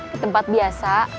di tempat biasa